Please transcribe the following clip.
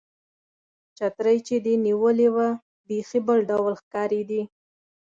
چترۍ چې دې نیولې وه، بیخي بل ډول ښکارېدې.